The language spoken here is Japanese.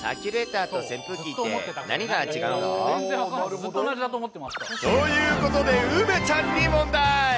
サーキュレーターと扇風機って何が違うの？ということで、梅ちゃんに問題。